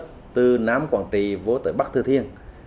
còn vang vọng đâu đây trên khúc sông